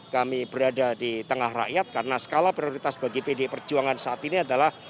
kami berada di tengah rakyat karena skala prioritas bagi pd perjuangan saat ini adalah